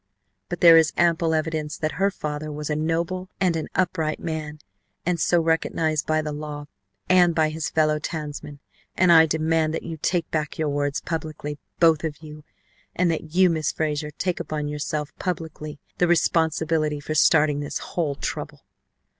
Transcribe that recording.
But there is ample evidence that her father was a noble and an upright man and so recognized by the law and by his fellow townsmen, and I demand that you take back your words publicly, both of you, and that you, Miss Frazer, take upon yourself publicly the responsibility for starting this whole trouble.